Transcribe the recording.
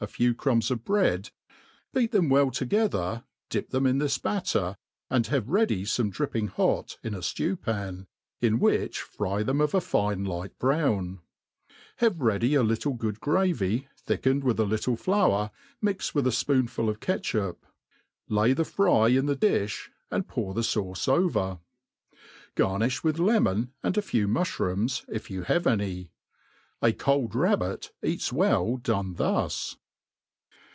few crumbs of bread, beat them well toge * ther, dip them in this batter, and have ready fome dripping hot in a ftew pan, in which fry them of a fine light brown: have ready a little good gravy, thickened with a little flour, mixed ' with a fpoonful of catchup; lay the fry in the difli, and pour the fauce over. Garnifh with lemon, and a few muflirooms, if you have any, A cold rabbit eats well done thus.